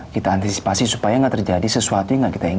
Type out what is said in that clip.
kita antisipasi supaya gak terjadi sesuatu yang buruk sama riza